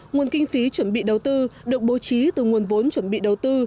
nguồn kinh phí chuẩn bị đầu tư được bố trí từ nguồn vốn chuẩn bị đầu tư